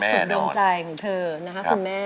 มารักดวงใจของเธอน่ะคุณแม่